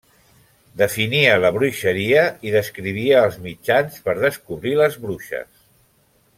Definia la bruixeria i descrivia els mitjans per descobrir les bruixes.